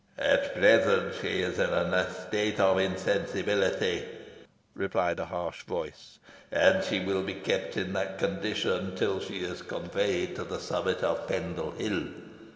"At present she is in a state of insensibility," replied a harsh voice, "and she will be kept in that condition till she is conveyed to the summit of Pendle Hill.